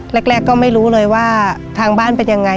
แรกก็ไม่รู้เลยว่าทางบ้านเป็นยังไง